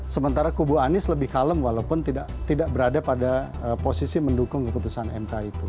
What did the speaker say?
sementara kubu anies lebih kalem walaupun tidak berada pada posisi mendukung keputusan mk itu